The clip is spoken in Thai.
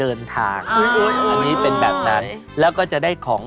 เอาตามได้ต่อไปค่ะ